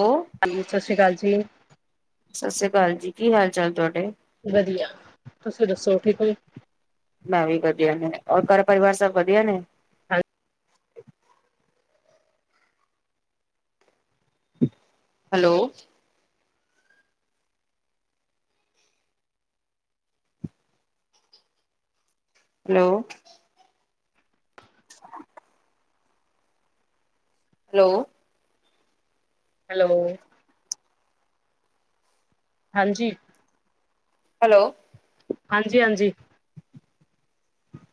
Hello, ਹਾਂਜੀ, ਸਤਿ ਸ਼੍ਰੀ ਅਕਾਲ ਜੀ। ਸਤਿ ਸ੍ਰੀ ਅਕਾਲ ਜੀ ਕੀ ਹਾਲ ਚਾਲ ਤੁਹਾਡੇ। ਵਧੀਆ ਤੁਸੀਂ ਦੱਸੋ ਠੀਕ ਹੋ? ਮੈਂ ਵੀ ਵਧੀਆ ਨੇ ਔਰ ਘਰ ਪਰਿਵਾਰ ਸਭ ਵਧੀਆ ਨੇ। ਹਾਂ ਹੈਲੋ, ਹੈਲੋ, ਹੈਲੋ। ਹੈਲੋ। ਹਾਂਜੀ। ਹੈਲੋ। ਹਾਂਜੀ ਹਾਂਜੀ,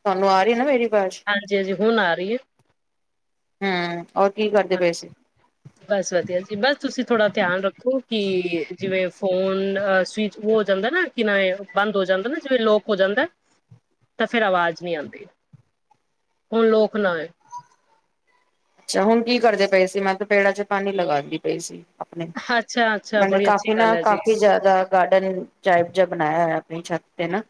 ਤੁਹਾਨੂੰ ਆ ਰਹੀ ਨਾ ਮੇਰੀ ਆਵਾਜ਼? ਹਾਂਜੀ ਹਾਂਜੀ। ਹੁਣ ਆ ਰਹੀ ਐ। ਹਾਂ। ਹਾਂਜੀ, ਬਸ ਵਧੀਆ ਜੀ ਬਸ ਤੁਸੀਂ ਥੋੜਾ ਧਿਆਨ ਰੱਖੋ ਕਿ ਜਿਵੇਂ ਫੋਨ ਅਹ ਸਵਿਚ ਉਹ ਹੋ ਜਾਂਦਾ ਨਾ ਕਿ ਨਾ ਇਹ ਬੰਦ ਹੋ ਜਾਂਦਾ ਨਾ ਜਿਵੇਂ ਲੋਕ ਹੋ ਜਾਂਦਾ ਤਾਂ ਫੇਿਰ ਆਵਾਜ਼ ਨਹੀਂ ਆਉਂਦੀ ਹੁਣ ਲੋਕ ਨਾ ਹੋਏ ਅੱਛਾ ਹੁਣ ਕੀ ਕਰਦੇ ਪਏ ਸੀ ਮੈਂ ਤਾਂ ਪੇੜਾਂ ਚ ਪਾਣੀ ਲਗਾਂਦੀ ਪਈ ਸੀ ਆਪਣੇ ਅੱਛਾ ਅੱਛਾ ਮੈਨੇ ਬੜੀ ਅੱਛੀ ਕਾਫੀ ਗੱਲ ਨਾ ਹੈ ਜੀ ਕਾਫੀ ਜ਼ਿਆਦਾ ਗਾਰਡਨ ਟਾਈਪ ਜ ਬਣਾਇਆ ਹੋ ਆਪਣੀ ਛੱਤ ਤੇ ਨਾ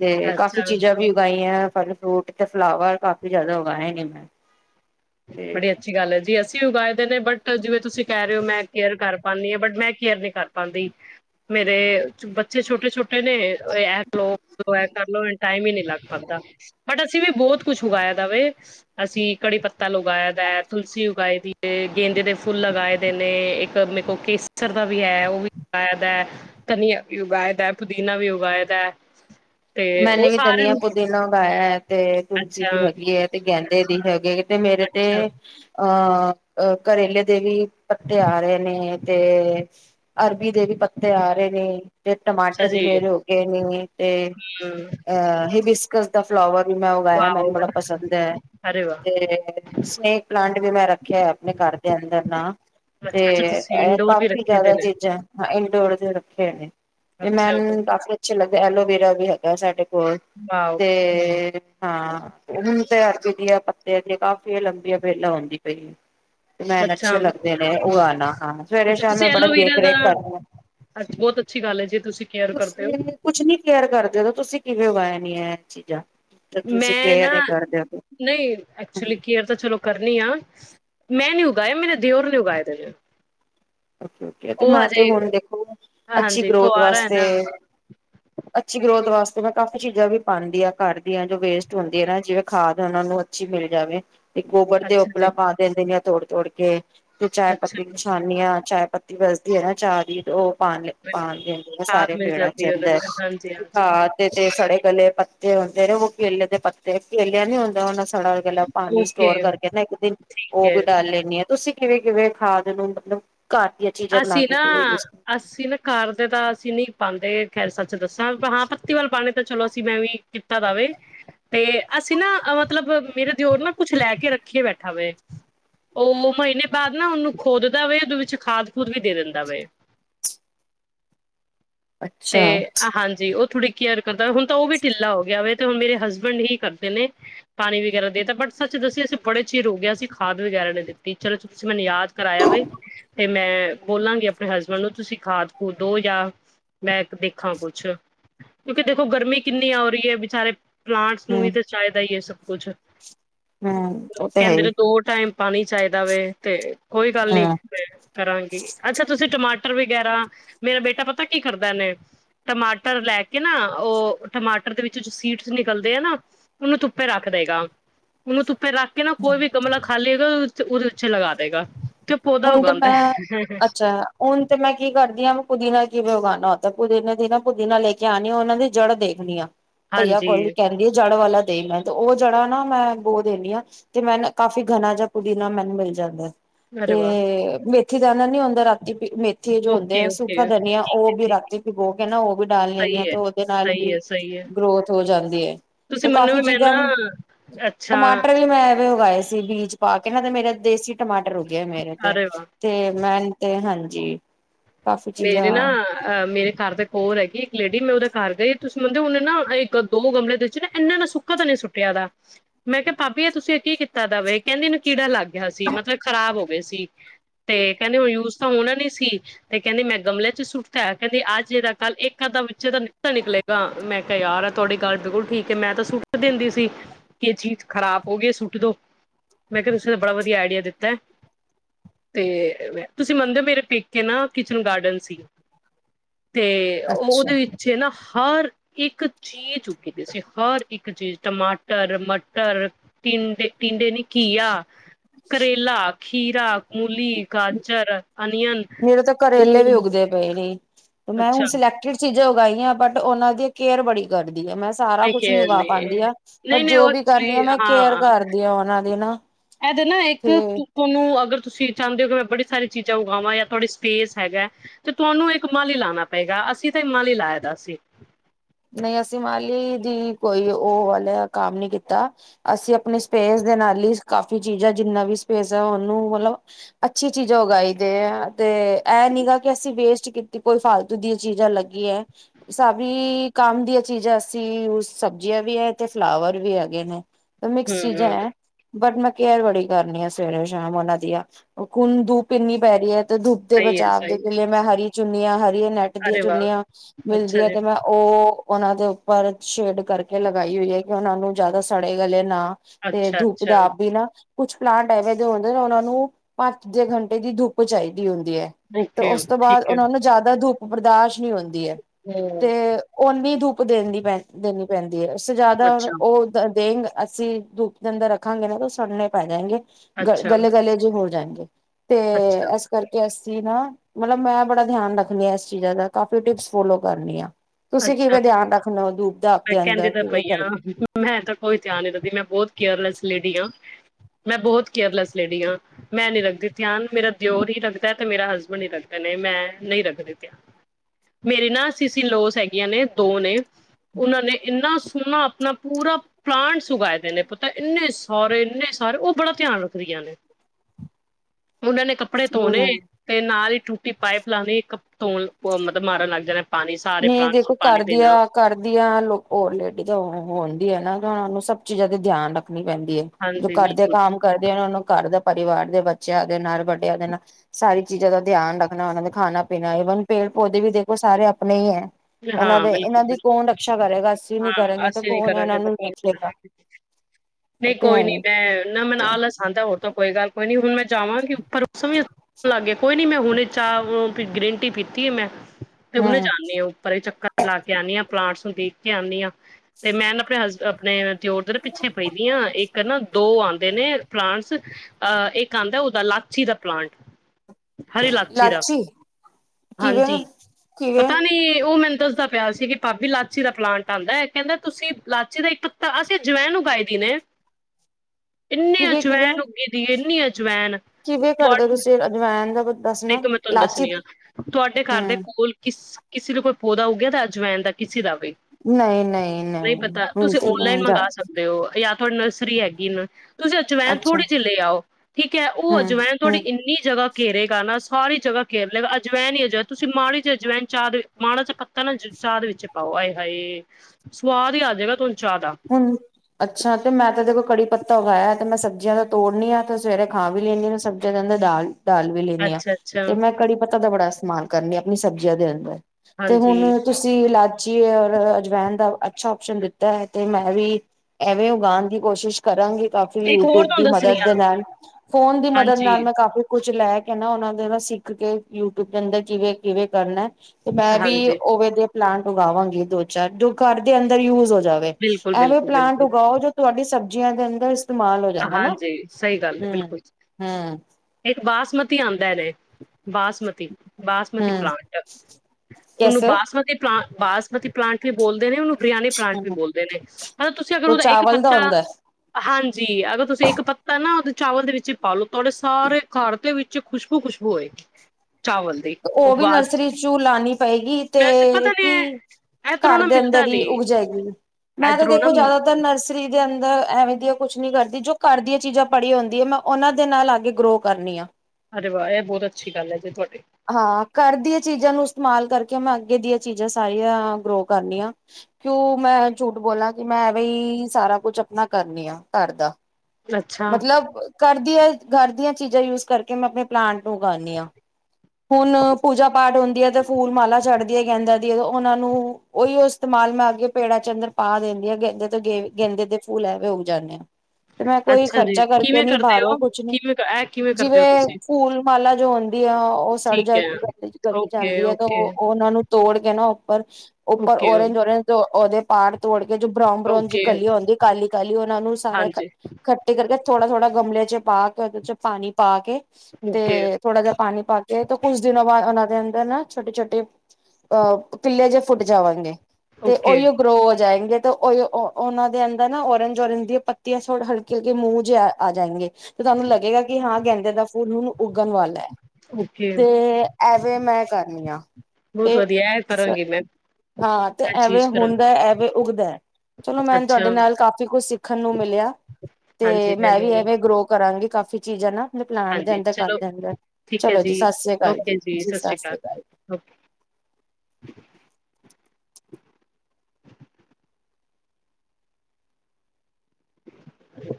ਤੇ ਕਾਫੀ ਅੱਛਾ ਚੀਜ਼ਾਂ ਵੀ ਉਗਾਈਆਂ ਫਲ ਫਰੂਟ ਤੇ ਫਲਾਵਰ ਕਾਫੀ ਜਿਆਦਾ ਉਗਾਏ ਨੇ ਮੈਂ ਤੇ ਬੜੀ ਅੱਛੀ ਗੱਲ ਹੈ ਜੀ ਅਸੀਂ ਉਗਾਏ ਨੇ ਬਟ ਜਿਵੇਂ ਤੁਸੀਂ ਕਹਿ ਰਹੇ ਹੋ ਮੈਂ ਕੇਅਰ ਕਰ ਪਾਉਂਦੀ ਹਾਂ ਬਟ ਮੈਂ ਕੇਅਰ ਨੀ ਕਰ ਪਾਉਂਦੀ ਮੇਰੇ ਬੱਚੇ ਛੋਟੇ ਛੋਟੇ ਨੇ ਇਹ ਲ ਇਹ ਕਰ ਲ ਟਾਈਮ ਹੀ ਨੀ ਲੱਗ ਪਦਾ ਬਟ ਅਸੀਂ ਵੀ ਬਹੁਤ ਕੁਛ ਉਗਾਇਆ ਦਾਵੇ ਅਸੀਂ ਕੜੀ ਪਤਾ ਪੱਤਾ ਉਗਾਏ ਦਾ ਹੈ ਤੁਲਸੀ ਉਗਾਈ ਦੀ ਹੈ ਗੇਂਦੇ ਦੇ ਫੁੱਲ ਲਗਾਏ ਦੇ ਨੇ ਇੱਕ ਮੇਰੇ ਕੋਲ ਕੇਸਰ ਦਾ ਵੀ ਹੈ ਉਹ ਵੀ ਉਗਾਏ ਦਾ ਧਨੀਆ ਵੀ ਉਗਾਏ ਦਾ ਪੁਦੀਨਾ ਵੀ ਉਗਾਏ ਦਾ ਤੇ ਉਹ ਮੈਨੇ ਵੀ ਸਾਰੇ ਦਨੀਆ ਨੂੰ ਪੁਦੀਨਾ ਉਗਾਇਆ ਹੈ ਤੇ ਦੁਰਜੀ ਦੀ ਅੱਛਾ ਹੈਗੀ ਹੈ ਤੇ ਗਹਦੇ ਦੀ ਹੈਗੇ ਤੇ ਮੇਰੇ ਤੇ ਅੱਛਾ ਅ ਕਰੇਲੇ ਦੇ ਵੀ ਪੱਤੇ ਆ ਰਹੇ ਨੇ ਤੇ ਅਰਬੀ ਦੇ ਵੀ ਪੱਤੇ ਆ ਰਹੇ ਨੇ ਤੇ ਟਮਾਟਰ ਅੱਛਾ ਵੀ ਜੀ ਮੇਰੇ ਹੋ ਗਏ ਨੇ ਤੇ ਹੂੰ ਇਹ ਹਾਈਬਿਸਕਸ ਦ ਫਲਾਵਰ ਵੀ ਮੈਂ ਉਗਾਇਆ ਵਾਓ ਮੈਨੂੰ ਬੜਾ ਪਸੰਦ ਹੈ ਅਰੇ ਵਾਹ ਤੇ ਸਨੇਕ ਪਲਾਂਟ ਵੀ ਮੈਂ ਰੱਖਿਆ ਆਪਣੇ ਘਰ ਦੇ ਅੰਦਰ ਨਾ ਤੇ ਅੱਛਾ ਅੱਛਾ ਤੁਸੀਂ ਇੰਡੋਰ ਵੀ ਕਾਫ਼ੀ ਰੱਖੇ ਦੇ ਜ਼ਿਆਦਾ ਨੇ ਚੀਜ਼ਾਂ ਇੰਡੋਰ ਪੌਦੇ ਰੱਖਏ ਨੇ ਤੇ ਅੱਛਾ ਮੈਨ ਕਾਫੀ ਅੱਛੇ ਲੱਗੇ ਤੇ ਐਲੋਵੇਰਾ ਵੀ ਹੈ ਐ ਸਾਡੇ ਹੋਰ, ਵਾਓ ਤੇ ਹਾਂ ਹੁਣ ਤੇ ਹਰ ਬੀ ਏ ਪੱਤੇ ਅਗੇ ਕਾਫੀ ਲੰਬੀਆਂ ਬੇਲਾਂ ਹੁੰਦੀ ਪਈਆਂ ਤੇ ਮੈਨ ਅੱਛਾ ਅੱਛੇ ਲੱਗਦੇ ਨੇ ਉਹ ਆਉਣਾ ਹਾਂ ਸਵੇਰੇ ਅੱਛਾ ਸ਼ਾਮ ਮੈਂ ਤੁਸੀਂ ਬੜਾ ਦੇਖ ਐਲੋਵੀਰਾ ਰੇਖ ਦਾ ਕਰਦੀ ਆਂ ਅੱਛ- ਬਹੁਤ ਅੱਛੀ ਗੱਲ ਹੈ ਜੇ ਤੁਸੀਂ ਕੇਅਰ ਕਰਦੇ ਤੁਸੀਂ ਹੋ ਕੁਛ ਨੀ ਕੇਅਰ ਕਰਦੇ ਤੁਸੀਂ ਕਿਵੇਂ ਉਾਇਆ ਨ ਇਹ ਚੀਜ਼ਾਂ ਤੇ ਤੁਸੀਂ ਮੈਂ ਕੇਅਰ ਨਾ ਨੀ ਕਰਦੇ ਹੋ ਨਹੀਂ ਐਕਚੁਲੀ ਕੇਅਰ ਤਾਂ ਚਲੋ ਕਰਨੀ ਆ ਮੈਂ ਨੀ ਉਗਾਏ ਮੇਰੇ ਦਿਓਰ ਨੇ ਉਗਾਏ ਤਜੇ ਓ ਤੇ ਮੈਂ ਤੇ ਹੁਣ ਦੇਖੋ ਅੱਛੀ ਹਾਂਜੀ ਗਰੋਥ ਕੁਆਰਾ ਹੈ ਵਾਸਤੇ ਨਾ ਅੱਛੀ ਗਰੋਥ ਵਾਸਤੇ ਤੇ ਮੈਂ ਕਾਫੀ ਚੀਜ਼ਾਂ ਵੀ ਪਾਉਂਦੀ ਆ ਕਰਦੀ ਹਾਂ ਜੋ ਵੇਸਟ ਹੁੰਦੀ ਆ ਨਾ ਜਿਵੇਂ ਖਾਦ ਉਹਨਾ ਨੂੰ ਅੱਛੀ ਮਿਲ ਜਾਵੇ ਤੇ ਗੋਬਰ ਦੇ ਅੱਛਾ ਜੀ ਉਪਲਾ ਪਾ ਦਿੰਦੇ ਨੇ ਤੋੜ ਤੋੜ ਕੇ ਤੇ ਚਾਏ ਅੱਛਾ ਪੱਤੀ ਜੀ ਛਾਨਨੀ ਆਂ ਚਾਏ ਪੱਤੀ ਬਚਦੀ ਹੈ ਨਾ ਚਾਹਅ ਦੀ ਉਹ ਪਾ ਲ ਪਾਉਣ ਬਿਲਕੁਲ ਲਦੇ ਆ ਖਾਦ ਸਾਰੇ ਮਿਲ ਪੇੜਾ ਜਾਂਦੀ ਹੈ ਉਹਨਾਂ ਚਹਦਾ ਨੂੰ ਹਾਂਜੀ ਤੇ ਹਾਂਜੀ ਖਾ ਤੇ ਤੇ ਸੜੇ ਗਲੇ ਪੱਤੇ ਹੁੰਦੇ ਉਹ ਕੇਲੇ ਦੇ ਪੱਤੇ ਕੇਲਿਆਂ ਨੀ ਹੁੰਦਾ ਉਹਨਾਂ ਸ ਅਲਾ ਪਾਣੀ ਓਕੇ ਸਟੋਰ ਕਰਕੇ ਨਾ ਇੱਕ ਦਿਨ ਠੀਕ ਉਹ ਹੈ ਵੀ ਡਾਲ ਲੈਂਣੀ ਆ ਤੁਸੀਂ ਕਿਵੇਂ- ਕਿਵੇਂ ਖਾਦ ਨੂੰ ਮਤਲਬ ਘਰ ਦੀਆਂ ਚੀਜ਼ਾਂ ਬਣਾ ਅਸੀਂ ਕੇ ਨਾ ਕਿਵੇਂ ਯੂਜ ਕਰਦੇ? ਅਸੀਂ ਨਾ ਘਰ ਦੇ ਤਾਂ ਅਸੀਂ ਨੀ ਪਾਂਦੇ। ਖੈਸਕ ਚੱਲ ਦੱਸਾਂ ਹਾਂ ਪੱਤੀ ਵੱਲ ਪਾਣੀ ਤੇ ਚਲੋ ਅਸੀਂ ਮੈਂ ਵੀ ਕੀਤਾ ਜਾਵੇ ਤੇ ਅਸੀਂ ਨਾ ਮਤਲਬ ਮੇਰੇ ਹੋਰ ਨਾ ਕੁਛ ਲੈ ਕੇ ਰੱਖੇ ਬੈਠਾ ਹੋਏ। ਉਹ ਮਹੀਨੇ ਬਾਅਦ ਨਾ ਉਹਨੂੰ ਖੋਦਦਾ ਹੋਵੇ ਉਹਦੇ ਵਿੱਚ ਖਾਦ ਖੁਦ ਵੀ ਦੇ ਦਿੰਦਾ ਪਏ। ਤੇ ਅੱਛਾ ਹਾਂਜੀ ਉ- ਥੋੜੀ ਕੇਅਰ ਕਰਦਾ ਹੁਣ ਤਾਂ ਉਹ ਵੀ ਢਿੱਲਾ ਹੋ ਗਿਆ ਹੋਵੇ ਤੇ ਹੁਣ ਮੇਰੇ ਹਸਬੈਂਡ ਹੀ ਕਰਦੇ ਨੇ ਪਾਣੀ ਵਗੈਰਾ ਦੇਤਾ ਬਟ ਸੱਚ ਦੱਸੀਏ ਅਸੀਂ ਬੜੇ ਚਿਰ ਹੋ ਗਿਆ ਅਸੀਂ ਖਾਦ ਵਗੈਰਾ ਨੀ ਦਿੱਤੀ ਚਲੋ ਤੁਸੀਂ ਮੈਨੂੰ ਯਾਦ ਕਰਾਇਆ ਬਈ ਤੇ ਮੈਂ ਬੋਲਾਂਗੀ ਆਪਣੇ ਹਸਬੈਂਡ ਨੂੰ ਤੁਸੀਂ ਖਾਦ ਖੂਦ ਦੋ ਜਾਂ ਮੈਂ ਦੇਖਾਂ ਕੁਛ ਕਿਉਂਕਿ ਦੇਖੋ ਗਰਮੀ ਕਿੰਨੀ ਆ ਰਹੀ ਹੈ ਵਿਚਾਰੇ ਪਲਾਂਟਸ ਨੂੰ ਹਮ ਵੀ ਤਾਂ ਚਾਹੀਦਾ ਹੀ ਸਭ ਕੁਛ। ਹਮ ਉਹ ਤੇ ਹੈ ਹੀ ਕਹਿੰਦੇ ਨੇ ਦੋ ਟਾਈਮ ਪਾਣੀ ਚਾਹੀਦਾ ਵੇ ਤੇ ਕੋਈ ਗੱਲ ਨਹੀਂ ਮੈਂ ਕਰਾਂਗੀ ਅੱਛਾ ਤੁਸੀਂ ਟਮਾਟਰ ਵੇਟਰ ਵਗੈਰਾ ਮੇਰਾ ਬੇਟਾ ਪਤਾ ਕੀ ਕਰਦਾ ਇੰਨੇ ਟਮਾਟਰ ਲੈ ਕੇ ਨਾ ਉਹ ਟਮਾਟਰ ਦੇ ਵਿੱਚ ਜੋ ਸੀਡਜ਼ ਨਿਕਲਦੇ ਆ ਨਾ ਉਹਨੂੰ ਧੁੱਪੇ ਰੱਖ ਦਏਗਾ ਉਹਨੂੰ ਫੇਰ ਰੱਖ ਕੇ ਨਾ ਕੋਈ ਵੀ ਗਮਲਾ ਖਾਲੀ ਹੈਗਾ। ਤੇ ਉਹਦੇ ਉੱਛੇ ਲਗਾ ਦਿ ਹੁਣ ਤੇ ਮੈਂ ਅੱਛਾ ਹੁਣ ਤੇ ਮੈਂ ਕੀ ਕਰਦੀ ਹਾਂ ਪੁਦੀਨਾ ਕਿਵੇਂ ਉਗਾਉਣਾ। ਪੁੁਦੀਨਾ ਦੀ ਨਾ ਪੁੁਦੀਨਾ ਲੈ ਕੇ ਆਉਣੀ ਆ ਉਹਨਾਂ ਦੀ ਜੜ ਦੇਖਣੀ ਆ। ਭਈਆ ਹਾਂਜੀ ਕੋਲ ਕਹਿੰਦੀ ਆ ਜੜ ਵਾਲਾ ਮੈਂ ਤੇ ਉਹ ਜਿਹੜਾ ਨਾ ਮੈਂ ਬੋ ਦਿੰਦੀ ਹਾਂ ਤੇ ਮੈਂ ਨਾ ਕਾਫ਼ੀ ਘਣਾ ਜਾਂ ਪੁਦੀਨਾ ਮੈਨੂੰ ਮਿਲ ਜਾਂਦਾ। ਅਰੇ ਵਾਹ ਤੇ ਮੇ ਖਜਾਨਾ ਨਹੀਂ ਅੰਦਰ ਆਪਕੀ ਪਿਟ ਮੇਂ। ਬੀਜ ਹੁੰਦੇ ਓਕੇ ਆ ਸੁੱਕਾ ਓਕੇ ਧਨੀਆ ਉਹ ਵੀ ਠੀਕ ਰਾਤੀ ਭਿਗੋ ਕੇ ਨਾ ਉਹ ਵੀ ਡਾਲ ਲੈਂਦੇ ਸਹੀ ਆ ਤੇ ਹੈ ਉਹਦੇ ਨਾਲ ਸਹੀ ਵੀ ਹੈ ਸਹੀ ਹੈ ਗਰੋਥ ਹੋ ਜਾਂਦੀ ਦੇ ਐ ਤੁਸੀਂ ਮੈਨੂੰ ਵੀ ਮੈਂ ਨਾ ਅੱਛਾ ਟਮਾਟਰ ਵੀ ਮੈਂ ਉਗਾਏ ਸੀ ਬੀਜ ਪਾ ਕੇ ਨਾ ਤੇ ਮੇਰੇ ਦੇਸੀ ਟਮਾਟਰ ਰੁਕਿਆ ਮੇਰੇ ਤੇ ਅਰੇ ਵਾਹ ਤੇ ਮੈਂ ਤੇ ਹਨ ਜੀ। ਮੇਰੇ ਨਾ ਅ ਮੇਰੇ ਘਰ ਦੇ ਕੋਲ ਹੈਗੀ ਹੈ, ਇੱਕ ਲੇਡੀ ਮੈਂ ਉਹਦਾ ਘਰ ਗਈ, ਤੁਸੀਂ ਮੰਦੇ ਉਹਨੇ ਨਾ ਇੱਕ ਦੋ ਗਮਲੇ ਦੇ ਵਿੱਚ ਨਾ ਇਨਾ ਸੁੱਕਾ ਤਨਿਆ ਸੁੱਟਿਆ ਦਾ ਮੈਂ ਕਿਹਾ ਭਾਬੀ ਤੁਸੀਂ ਕੀ ਕੀਤਾ ਦਾ ਕਹਿੰਦੇ ਇਹਨੂੰ ਕੀੜਾ ਲੱਗ ਗਿਆ ਸੀ ਮਤਲਬ ਖ਼ਰਾਬ ਹੋ ਗਏ ਸੀ ਤੇ ਕਹਿੰਦੇ ਹ ਯੂਜ ਤਾਂ ਹੋਣਾ ਨੀ ਸੀ। ਤੇ ਕਹਿੰਦੀ ਮੈਂ ਗਮਲੇ ਚ ਸੁੱਟਤਾ ਕਹਿੰਦੀ, ਅੱਜ ਦਾ ਕੱਲ ਇੱਕ ਅੱਧਾ ਵਿੱਚ ਤਾ ਨਿਕਲੇਗਾ ਮੈਂ ਕਿਹਾ ਯਾਰ ਤੁਹਾਡੀ ਗੱਲ ਬਿਲਕੁਲ ਠੀਕ ਹ ਮੈਂ ਤਾਂ ਸੂਟ ਦਿੰਦੀ ਸੀ ਕਿ ਜੀ ਖਰਾਬ ਹੋ ਗਈ ਸੂਟ ਦੋ ਲੇਕਿਨ ਬੜਾ ਵਧੀਆ ਆਈਡੀਆ ਦਿੱਤਾ ਤੇ ਤੁਸੀਂ ਮੰਨਦੇ ਹੋ ਮੇਰੇ ਪੇਕੇ ਨਾ ਕਿਚਨ ਗਾਰਡਨ ਸੀ। ਤੇ ਅੱਛਾ ਉਹਦੇ ਵਿੱਚ ਨਾ ਹਰ ਇੱਕ ਚੀਜ਼ ਕੀਤੀ ਸੀ ਹਰ ਇੱਕ ਇੱਕ ਚੀਜ਼ ਟਮਾਟਰ, ਮਟਰ, ਤਿੰਂਡੇ ਟਿੰਡੇ ਨੀ ਘੀਆ, ਕਰੇਲਾ ਖੀਰਾਾਂ। ਮੂਲੀ, ਗਾਜਰ, ਅਨੀਅਨ। ਮੇਰੇ ਤਾਂ ਕਰੇਲੇ ਵੀ ਉੱਗਦੇ ਪਏ। ਜੇ ਮੈਂ ਹੁਣ ਅੱਛਾ ਸਿਲੈਕਟਡ ਚੀਜ਼ ਜੌ ਉਗਾਈਆਂ ਬਟ ਉਹਨਾਂ ਦੀਆਂ ਕੇਅਰ ਬੜੀ ਘਟ ਮੈਂ ਸਾਰਾ ਕੁਛ ਨਹੀ ਉਗਾ ਪਾਉਂਦੀ ਆ ਬਟ ਨਹੀਂ-ਨਹੀਂ ਜੋ ਉਹ ਵੀ ਕਰਨੀ ਆ ਐਕਚੁਲੀ ਮੈਂ ਕੇਅਰ ਹਾਂ ਕਰਦੀ ਹਾਂ ਉਹਨਾਂ ਦੀ ਨਾ ਇਹਦੇ ਨਾ ਇੱਕ ਤੇ ਤੁਹਾਨੂੰ ਅਗਰ ਤੁਸੀਂ ਚਾਹੁੰਦੇ ਹੋ ਕਿ ਮੈਂ ਬੜੀ ਸਾਰੀ ਚੀਜ਼ਾਂ ਉਗਾਵਾਂ ਜਾਂ ਤੁਹਾਡੀ ਸਪੇਸ ਹੈਗਾ ਤੇ ਤੁਹਾਨੂੰ ਇੱਕ ਮਾਲੀ ਹੀ ਲਾਉਣਾ ਪਏਗਾ ਅਸੀਂ ਤਾਂ ਮਾਲੀ ਹੀ ਲਗਾਇਆ ਦਾ ਸੀ। ਨਹੀਂ ਅਸੀਂ ਮਾਲੀ ਦੀ ਕੋਈ ਉਹ ਵਾਲੇ ਕੰਮ ਨੀ ਕੀਤਾ ਅਸੀਂ ਆਪਣੀ ਸਪੇਸ ਦੇ ਨਾਲ ਹੀ ਕਾਫੀ ਚੀਜ਼ਾਂ ਜਿੰਨਾ ਵੀ ਸਪੇਸ ਹੈ, ਉਹਨੂੰ ਮਤਲਬ ਅੱਛੀ ਚੀਜ਼ਾਂ ਉਗਾਈ ਦੇ‌‌ ਹਾ ਤੇ ਇਹ ਨੀ ਹੈਗਾ ਕਿ ਅਸੀਂ ਵੇਸਟ ਕੀਤੀ ਕੋਈ ਫਾਲਤੂ ਦੀਆਂ ਚੀਜ਼ਾਂ ਲੱਗੀ ਹੈ। ਸਬਹੀ ਕੰਮ ਦੀਆਂ ਚੀਜ਼ਾਂ, ਅਸੀਂ ਸਬਜ਼ੀਆਂ ਵੀ ਹੈ ਤੇ ਫਲਾਵਰ ਵੀ ਹੈਗੇ ਨੇ। ਹੂੰ ਮਿਕਸ ਚੀਜ਼ਾਂ ਹੈ, ਬਟ ਮੈਂ ਕੇਅਰ ਬੜੀ ਕਰਨੀ ਆ ਸਵੇਰੇ-ਸ਼ਾਮ ਉਹਨਾਂ ਦੀਆਂ, ਹੂਨ ਦੁਪ ਇੰਨੀ ਪੈ ਰਹੀ ਹੈ। ਤੇ ਦੁੱਧ ਤੇ ਸਹੀ ਹੈ ਬਚਾਅ ਦੇ ਸਹੀ ਹੈ। ਲਈ ਮੈਂ ਹਰੀ ਚੁਨਿਆ ਹਰ ਤਗ ਨੈੱਟ ਦੀਆਂ ਅਰੇ ਵਾਹ! ਚੁੰਨੀਆਂ ਅੱਛਾ ਮਿਲਦੀਆਂ ਜੀ ਤੇ ਮੈਂ ਉਹ ਉਹਨਾਂ ਦੇ ਉੱਪਰ ਸ਼ੇਡ ਕਰਕੇ ਲਗਾਈ ਹੋਈ ਹੈ, ਕਿ ਉਹਨਾਂ ਨੂੰ ਜਿਆਦਾ ਸੜੇ ਗਲੇ ਨਾ। ਤੇ ਧੂਪ ਅੱਛਾ-ਅੱਛਾ। ਦਾਪ ਵੀ ਨਾ ਕੁਛ ਪਲਾਂਟ ਐਵੇਂ ਜ ਹੁੰਦੇ ਨੇ ਉਹਨਾਂ ਨੂੰ ਪੰਜ-ਛੇ, ਘੰਟੇ ਦੀ ਧੁਪ ਚਾਹੀਦੀ ਹੁੰਦੀ। ਤੇ ਓਕੇ, ਉਸ ਤੋਂ ਬਾਅਦ ਠੀਕ ਉਹ ਐ। ਨੂੰ ਜ਼ਿਆਦਾ ਧੂਪ ਬਰਦਾਸ ਨੀ ਹੁੰਦੀ ਹੈ, ਤੇ ਉਹਨੀ ਧੁਪ ਦੇਣੀ ਪੈ ਦੇਣੀ ਪੈਂਦੀ ਤੇ ਜ਼ਿਆਦਾ ਹਣ ਅੱਛਾ, ਉਹ ਦੇੇਯ, ਅਸੀਂ ਧੂਪ ਦੇ ਅੰਦਰ ਰੱਖਾਂਗੇ ਨਾ ਤਾਂ ਉਹ ਸੜਨੇ ਪੈ ਜਾਏਗੇ। ਗ- ਅੱਛਾ, ਗਲੇ-ਗੱਲ ਜੇ ਹੋ ਜਾਨ [inaudible] ਤੇ ਅੱਛਾ, ਇਸ ਕਰਕੇ ਅਸੀ ਨਾ ਮਤਲਬ ਮੈਂ ਬੜਾ ਧਿਆਨ ਰੱਖ ਲਿਆ ਆ ਇਸ ਚੀਜ਼ਾਂ ਦਾ ਕਾਫੀ ਟਿਪਸ ਫੋਲੋ ਕਰਨੀ ਆ। ਤੁਸੀਂ ਅੱਛਾ। ਕਿਵੇਂ ਧਿਆਨ ਰੱਖਣਾ ਦੂ ਮੈਂ ਕਹਿੰਦੀ ਤ ਪਈਆ ਮੈਂ ਤਾਂ ਕੋਈ ਧਿਆਨ ਨ ਦੇਂਦੀ ਮੈਂ ਬਹੁਤ ਕੇਅਰਲੈਸ ਲੇਡੀ ਹਾਂ ਮੈਂ ਬਹੁਤ ਕੇਅਰਲੈਸ ਲੇਡੀ ਹਾਂ ਮੈਂ ਨੀ ਰੱਖਦੀ ਧਿਆਨ ਮੇਰਾ ਦਿਓਰ ਹੀ ਰੱਖਦਾ ਤੇ ਮੇਰਾ ਹਸਬੈਂਡ ਹੀ ਰੱਖਦੇ ਨੇ ਮੈਂ ਨਹੀਂ ਰੱਖਦੀ ਧਿਆਨ ਮੇਰੀ ਨਾ ਸੀਸੀ ਲੋਸ ਹੈਗੀਆਂ ਨੇ ਦੋ ਨੇ। ਉਹਨਾਂ ਨੇ ਇੰਨਾ ਸੋਹਣਾ ਆਪਣਾ ਪੂਰਾ ਪਲਾਂਟਸ ਉਗਾਏ ਦੇ ਨੇ ਪੁਤਾ ਇੰਨੇ ਸਾਰੇ ਇੰਨੇ ਸਾਰੇ ਉਹ ਬੜਾ ਧਿਆਨ ਰੱਖਦੀਆਂ ਨੇ। ਓਹਨਾ ਨੇ ਕੱਪੜੇ ਧੋਣੇ ਹੂੰ, ਤੇ ਨਾਲ ਹੀ ਟੁੱਟੀ ਪਾਈਪ ਲਾਉਣੀ ਇੱਕ ਧੋਣ ਮਤਲਬ ਮਾਰਨ ਲੱਗ ਜਾਣਾ ਏ। ਪਾਣੀ ਸਾਰੇ ਨਹੀਂ ਪਲਾਂਟਸ ਦੇਖੋ ਨੂੰ ਪਾਣੀ ਘਰ ਦੀਆਂ ਦੇਣਾ ਘਰ ਹੋਰ ਲੇਡੀ ਤਾਂ ਹੋਣਦੀ ਹੈ ਨਾ ਉਹ ਨੂੰ ਸਭ ਚੀਜ਼ਾਂ ਤੇ ਧਿਆਨ ਰੱਖਦੀ ਪੈਂਦੀ ਹੈ ਜੋ ਹਾਂਜੀ ਘਰਦੇ ਬਿਲਕੁਲ ਕੰਮ ਕਰਦੇ ਉਹਨ ਨੂੰ ਘਰ ਦਾ ਪਰਿਵਾਰ ਦੇ ਬੱਚਿਆਂ ਦੇ ਨਾਲ ਵੱਡਿਆਂ ਦੇ ਨਾਲ ਸਾਰੀ ਚੀਜ਼ਾਂ ਦਾ ਧਿਆਨ ਰੱਖਣਾ ਉਹਨਾਂ ਦਾ ਖਾਣਾ ਪੀਣਾ ਵਨ ਪੇੜ ਪੌਦੇ ਵੀ ਦੇਖੋ ਸਾਰੇ ਆਪਣੇ ਨਹੀਂ ਹੈ ਇਹਨਾਂ ਹਾਂ ਦੇ ਬਿਲਕੁਲ ਇਹਨਾਂ ਦੀ ਕੌਣ ਬਿਲਕੁਲ ਰਕਸ਼ਾ ਕਰੇਗਾ ਅਸੀਂ ਨੀ ਹਾਂ ਕਰਾਂਗੇ ਤਾਂ ਅਸੀਂ ਨ ਕੌਣ ਕਰਾਂਗੇ ਇਹਨਾਂ ਨੂੰ ਦੇਖੇਗਾ ਉਹ ਨਹੀਂ ਤੇ ਹੈ ਕੋਈ ਨੀ ਹੀ ਮੈਂ ਨਾ ਮੈ ਆਸਾਂਦਾ ਹੋਰ ਤਾਂ ਕੋਈ ਗੱਲ ਕੋਈ ਨੀ ਹੁਣ ਮੈਂ ਜਾਵਾਂਗੀ ਉਪਰ ਉਸ ਸਮੇਂ [inaudible] ਨਹੀ ਮੈਂ ਹੁਣੇ ਚਾਹ ਗ੍ਰੀਨ ਟੀ ਪੀਤੀ ਹੈ ਮੈਂ। ਤੇ ਹੁਣੇ ਹਮ ਜਾਣੇ ਆ। ਚੱਕਰ ਲਾ ਕੇ ਆਣੀ ਹਾਂ ਪਲਾਂਟਸ ਨੂੰ ਦੇਖ ਕੇ ਆਣੀ ਹਾਂ ਤੇ ਮੈਂ ਨਾ ਆਪਣੇ ਹਸ ਆਪਣੇ ਦਿਓਰ ਦੇ ਪਿੱਛੇ ਪਈ ਦੀ ਆਂ ਇੱਕ ਨਾ ਦੋ ਆਉਂਦੇ ਨੇ ਪਲਾਂਟਸ। ਆ ਇੱਕ ਆਂਦਾ ਉਹਦਾ ਲਾਚੀ ਦਾ ਪਲਾਂਟ ਹਰੀ ਲਾਚੀ ਦਾ ਕਿਵੇਂ ਹਾਂਜੀ ਕਿਵੇਂ ਪਤਾ ਨੀ ਉਹ ਮੈਨੂੰ ਦੱਸਦਾ ਪਿਆ ਸੀ ਕਿ ਭਾਬੀ ਲਾਚੀ ਦਾ ਪਲਾਂਟ ਆਦਾ ਹੈ ਕਹਿੰਦਾ ਤੁਸੀਂ ਲਾਚੀ ਦਾ ਇੱਕ ਪੱਤਾ ਅਸੀਂ ਜਵੈਣ ਉਗਾਈ ਦੀ ਨੇ। ਇੰਨੀ ਕਿਵੇਂ ਕਿਵੇਂ ਅਜਵੈਣ ਉੱਗੀ ਦੀ ਇੰਨੀ ਅ ਕਿਵੇਂ ਕਰਦੇ ਤੁਸੀਂ ਅਜਵੈਂਨ ਦਾ ਮੈਂ ਦੱਸਣਾ ਤੁਹਾਨੂੰ ਲਾਚੀ ਦੱਸਣੀ ਆ ਤੁਹਾਡੇ ਘਰ ਦੇ ਹਮ ਕੋਲ ਕਿਸ ਕਿਸੇ ਲਈ ਕੋਈ ਪੌਦਾ ਉੱਗ ਤਾਂ ਅਜਵੈਨ ਦਾ ਕਿਸੇ ਦਾ ਵੀ ਨਹੀਂ ਨਹੀਂ ਨਹੀਂ ਹੁਣ ਤੇ ਮੈਂ ਜਾ ਤੁਹਾਡੇ ਨਰਸਰੀ ਹੈਗੀ ਨਾ ਤੁਸੀਂ ਅਜਵੈਨ ਅੱਛਾ ਥੋੜੀ ਜੀ ਲੈ ਆਓ ਠੀਕ ਹੈ ਉਹ ਹੂੰ ਅਜਵੈਨ ਹੂੰ ਤੁਹਾਡੀ ਇੰਨੀ ਜਗ੍ਹਾ ਘੇਰੇ ਸਾਰੀ ਜਗ੍ਹਾ ਘੇਰ ਲੇਗਾ ਅਜਵੈਨ ਹੀ ਅਜਵੈ ਤੁਸੀਂ ਮਾੜੀ ਚ ਅਜਵੈਨ ਚਾਹ ਦੇ ਮਾੜਾ ਚ ਪੱਤਾ ਨਾ ਚਾਹ ਦੇ ਵਿੱਚ ਪਾਓ ਆਏ ਹਾਏ ਸਵਾਦ ਹੀ ਆ ਜਾਏਗਾ ਤੁਹਾਨੂੰ ਚਾਹ ਦਾ ਹੁਣ ਅੱਛਾ ਤੇ ਮੈਂ ਤਾਂ ਦੇਖੋ ਕੜੀ ਪੱਤਾ ਉਗਾਇਆ ਤੇ ਮੈਂ ਸਬਜ਼ੀਆਂ ਤੋਂ ਤੋੜਨੀ ਆ ਤੇ ਸਵੇਰੇ ਖਾ ਵੀ ਲੈਂਦੀ ਹ ਸਬਜ਼ੀਆਂ ਦੇ ਅੰਦਰ ਡਾਲ ਦਾਲ ਵੀ ਲੈਂਨੀ ਹਾਂ ਅੱਛਾ ਅੱਛਾ ਤੇ ਮੈਂ ਕੜੀ ਪੱਤਾ ਦਾ ਬੜਾ ਸ ਮਾਲ ਕਰਨੀ ਆਪਣੀ ਸਬਜ਼ੀਆਂ ਦੇ ਅੰਦਰ ਤੇ ਹਾਂਜੀ ਹੁਣ ਤੁਸੀਂ ਇਲਾ ਚਿਆ ਔਰ ਅਜਵੈਨ ਦਾ ਅੱਛਾ ਅਪਸਨ ਦਿੱਤਾ ਆ। ਤੇ ਮੈਂ ਵੀ ਐਵੇਂ ਉਗਾਉਣ ਦੀ ਕੋਸ਼ਿਸ਼ ਕਰਾਂਗੀ। ਕਾਫੀ ਇੱਕ ਹੋਰ ਯੂਟਿਊਬ ਦੀ ਤੁਹਾਨੂੰ ਦੱਸਣੀ ਮਦਦ ਆ ਦੇ ਨਾਲ ਫੋਨ ਦੀ ਮਦਦ ਹਾਂਜੀ ਨਾਲ ਮੈਂ ਕਾਫੀ ਕੁਛ ਚ ਲੈ ਕੇ ਨਾ ਉਹਨਾ ਦੇ ਨਾ ਸਿੱਖ ਕੇ ਯੂਟਿਊਬ ਦੇ ਅੰਦਰ ਕਿਵੇਂ-ਕਿਵੇਂ ਕਰਨਾ ਤੇ ਮੈਂ ਵੀ ਹਾਂਜੀ ਉਵੇ ਦੇ ਪਲਾਂਟ ਉਗਾਵਾਂਗੇ ਦੋ ਚਾਰ ਜੋ ਘਰ ਦੇ ਅੰਦਰ ਯੂਜ ਹੋ ਜਾਣ ਐਵੇਂ ਪਲਾਂਟ ਬਿਲਕੁਲ-ਬਿਲਕੁਲ-ਬਿਲਕੁਲ ਉਗਾਓ ਜੋ ਤੁਹਾਡੀ ਸਬ ਜੀਆਂ ਦੇ ਅੰਦਰ ਇਸਤੇਮਾਲ ਹੋ ਜਾਏ ਹਨਾ। ਹਾਂਜੀ ਸਹੀ ਗੱਲ ਹੈ ਹੂੰ ਬਿਲਕੁਲ, ਹੂੰ ਇੱਕ ਬਾਸ ਮਤੀ ਆਉਂਦਾ ਰੇ ਬਾਸਮਤੀ, ਬਾਸਮਤੀ ਹੂੰ ਪਲਾਂਟ ਉਹਨੂੰ ਕੈਸੇ ਬਾਸਮਤੀ ਪਲਾਂ ਬਾਸਮਤੀ ਪਲਾਂਟ ਵੀ ਬੋਲਦੇ ਨੇ ਉਹਨੂੰ ਬਰਿਆਨੀ ਪਲਾਂਟ ਵੀ ਹੂੰ ਬੋਲਦੇ ਨੇ ਮਤਲਬ ਤੁਸੀਂ ਅਗਰ ਤੋ ਉਹਦਾ ਇੱਕ ਚਾਵਲ ਦਾ ਪੱਤਾ ਹੁੰਦਾ ਹੈ ਹਾਂ ਜੀ ਅਗਰ ਤੁਸੀਂ ਇੱਕ ਪੱਤਾ ਨਾ ਉਹਦੇ ਚਾਵਲ ਦੇ ਵਿੱਚ ਹੀ ਪਾਾ ਲਓ। ਤੁਹਾਡੇ ਸਾਰੇ ਘਰ ਦੇ ਵਿੱਚ ਚ ਖੁਸ਼ਬੂ-ਖੁਸ਼ਬੂ ਹੋਏਗੀ। ਚਾਵਲ ਦੀ। ਉਹ ਵੀ ਬਾਅਦ ਨਰਸਰੀ ਚ ਲਾਨੀ ਪਏਗੀ ਵੈਸੇ ਤੇ ਪਤਾ ਨੀ ਕੀ ਐ ਏਧਰੋਂ ਘਰ ਨਾ ਦੇ ਮਿਲਦਾ ਅੰਦਰ ਹੀ ਨੀ ਉਗ ਜਾਏਗੀ? ਮੈਂ ਤਾਂ ਏਧਰੋਂ ਨਾ ਦੇਖੋ ਜ਼ਿਆਦਾਤਰ ਨਰਸਰੀ ਦੇ ਅੰਦਰ ਐਵੇਂ ਦੀਆਂ ਕੁਛ ਨੀ ਕਰਦੀ। ਜੋ ਘਰ ਦੀਆਂ ਚੀਜ਼ਾਂ ਪੜ੍ਹੀ ਹੁੰਦੀ ਹੈ ਮੈਂ ਉਹਨਾਂ ਦੇ ਨਾਲ ਆ ਕੇ ਗਰੋ ਕਰਨੀ ਆ। ਹਰੇ ਵਾਹ ਇਹ ਬਹੁਤ ਅੱਛੀ ਗੱਲ ਹੈ ਜੇ ਤੁਹਾਡ ਹਾਂ ਘਰ ਦੀਆਂ ਚੀਜ਼ਾਂ ਨੂੰ ਇਸਤੇਮਾਲ ਕਰ ਮੈਂ ਅੱਗੇ ਦੀਆਂ ਚੀਜ਼ਾਂ ਸਾਰੀਆਂ ਗਰੋ ਕਰਨੀ ਆ। ਕਿਉਂ ਮੈਂ ਝੂਠ ਬੋਲਾਂ ਕਿ ਮੈਂ ਐਵੇ ਹੀ ਸਾਰਾ ਕੁਛ ਆਪਣਾ ਕਰਨੀ ਆ ਘਰ ਦਾ ਅੱਛਾ। ਮਤਲਬ ਕਰਦੀ ਐ ਘਰ ਦੀਆਂ ਚੀਜ਼ਾਂ ਯੂਜ ਕਰਕੇ ਮੈਂ ਆਪਣੇ ਪਲਾਂਟ ਨੂੰ ਉਗਾਨੀ ਐਂ। ਹੁਣ ਪੂਜਾ ਪਾਠ ਹਣ ਦੀਆਂ ਤੇ ਫੂਲ ਮਾਲਾ ਚੜਦੀ ਹੈ ਗੇਦਾ ਦੀ ਉਹਨਾਂ ਨੂੰ ਉਹੀ ਓ ਇਸਤੇਮਾਲ ਮੈਂ ਅਗੇ ਪੇੜਾਂ ਚ ਅੰਦਰ ਪਾ ਦਿੰਦੀ ਹ ਗੇਂਦੇ ਤੋਂ ਗੇ ਗੇਦੇ ਦੇ ਫੂਲ ਐਵੇਂ ਉਗ ਜਾਂਨੇ ਆ। ਤੇ ਮੈਂ ਕੋਈ ਅੱਛਾ ਜੀ, ਖਰਚਾ ਕਰਕੇ ਕਿਵੇਂ ਨਹੀਂ ਕਰਦੇ ਬਾਹਰੋ, ਹੋ? ਕੁਛ ਨੀ ਕਿਵੇਂ ਇਹ ਕਿਵੇਂ ਕਰਦੇ ਹੋ ਜਿਵੇਂ ਤੁਸੀਂ? ਫੂਲ ਮਾਲਾ ਜੋ ਹੁੰਦੀ ਹੈ ਉਹ ਸੜ ਠੀਕ ਜਾਂ ਹੈ। ਗਲੀ ਗਲੀ ਓਕੇ, ਜਾਂਦੀ ਹੈ ਤਾਂ ਓਕੇ, ਉਹ ਉਹਨਾਂ ਨੂੰ ਤੋੜ ਕੇ ਨਾ ਉੱਪਰ ਉੱਪਰ ਓਕੇ, ਓਰੇਂਜ ਓਰੇਜ ਓ ਉਹਦੇ ਪਾਰਕ ਤੋੜ ਕੇ ਜੋ ਬਰਾਊਨ ਬਰਾਊਨ ਜ ਓਕੇ ਕਲੀ ਆਉਂਦੀ ਕਾਹੀ ਕਾਹਲੀ ਉਹ ਨੂੰ ਸਾਰਾ ਹਾਂਜੀ, ਕਰਕੇ ਥੋੜਾ ਥੋੜਾ ਗਮਲੇ ਚ ਪਾ ਕੇ ਉਹਦੇ ਚ ਪਾਣੀ ਪਾ ਕੇ ਤੇ ਓਕੇ, ਥੋੜ੍ਹਾ ਜਿ ਪਾਣੀ ਪਾ ਕੇ ਤੇ ਕੁੱਝ ਦਿਨੋ ਬਾਅਦ ਉਹਨਾਂ ਦੇ ਅੰਦਰ ਨਾ ਛੋਟੇ ਛੋਟੇ ਅ ਕਿੱਲੇ ਜਿਹੇ ਫੁੱਟ ਜਾਵਾਂਗੇ ਤੇ ਓਕੇ, ਉਹੀਓ ਗਰੋ ਹੋ ਜਾਏਗੇ ਤੇ ਉਹ ਉਹਨਾਂ ਦੇ ਅੰਦਰ ਨਾ ਓਰਂਜ ਓਰਂਜ ਦੀਆਂ ਪੱਤੀਆਂ ੋ ਹਲਕ ਕਿਉਂਕਿ ਮੂੰਹ ਜੇ ਆ ਜਾਏਗੇ ਤੇ ਤੁਹਾਨੂੰ ਲੱਗੇਗਾ ਕਿ ਹਾਂ ਗੈਂਦੇ ਦਾ ਫੁੱਲ ਹੁਣ ਉੱਗਣ ਵਾਲਾ ਹੈ ਓਕੇ ਤੇ ਐਵੇਂ ਮੈਂ ਕਰਨੀ ਆ ਬਹੁਤ ਤੇ ਵਧੀਆ ਐ ਕਰਾਂਗੀ ਮੈਂ ਹਾਂ ਤੇ ਇਹ ਐਵੇਂ ਚੀਜ਼ ਕਰਾਂ ਹੁੰਦਾ ਐਵੇਂ ਉੱਗਦਾ ਹੈ ਚਲੋ ਮੈਂ ਤੁਹਾਡੇ ਅੱਛਾ ਨਾਲ ਕਾਫੀ ਕੁਛ ਸਿੱਖ [unintelligible] ਤੇ ਹਾਂਜੀ ਮੈਂ ਮੈਨੂੰ ਵੀ ਐਵੇਂ ਗਰੋ ਕਰਾਂ [unintelligible] ਕਾਫ਼ੀ ਚੀਜ਼ਾਂ ਨਾ ਪਲਾਨ ਦੇ ਹਾਂਜੀ ਅੰਦਰ ਚਲੋ ਕਰਦੇ ਅੰਦਰ ਠੀਕ ਹੈ ਚਲੋ ਜੀ ਸਤਿ ਸ੍ਰੀ ਅਕਾਲ ਓਕੇ ਜੀ ਜੀ ਸਤਿ ਸ਼੍ਰੀ ਸ੍ਰੀ ਅਕਾਲੀ ਅਕਾਲ। [unintelligible]